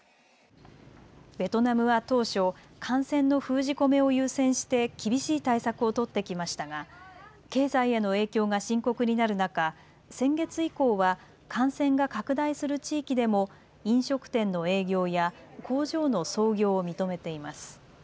ベトナムは当初、感染の封じ込めを優先して厳しい対策を取ってきましたが経済への影響が深刻になる中、先月以降は感染が拡大する地域でも飲食店の営業や工場の操業を認めています。